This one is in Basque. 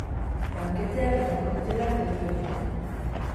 Banketeak eta koktelak debekatuta.